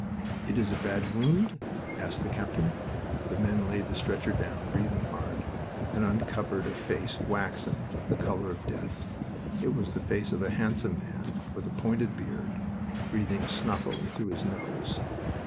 "It is a bad wound?" asked the captain. The men laid the stretcher down, breathing hard, and uncovered a face, waxen, the color of death. It was the face of a handsome man with a pointed beard, breathing snuffily through his nose.